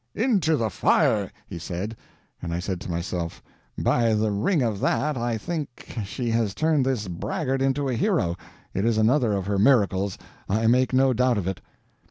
"Into the fire!" he said; and I said to myself, "By the ring of that, I think she has turned this braggart into a hero. It is another of her miracles, I make no doubt of it."